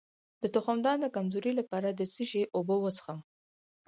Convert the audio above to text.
د تخمدان د کمزوری لپاره د څه شي اوبه وڅښم؟